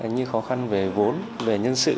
như khó khăn về vốn về nhân sự